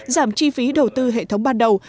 giảm chi phí đầu tư hệ thống ban đầu